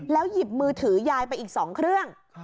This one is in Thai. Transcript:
แล้วหยิบมือถือยายไปอีกสองเครื่อง